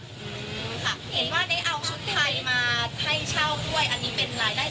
ค่ะเห็นว่าได้เอาชุดไทยมาให้เช่าด้วยอันนี้เป็นรายได้